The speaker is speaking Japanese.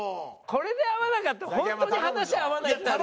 これで合わなかったらホントに話合わないってなるよ。